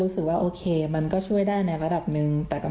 มีแต่เสียงตุ๊กแก่กลางคืนไม่กล้าเข้าห้องน้ำด้วยซ้ำ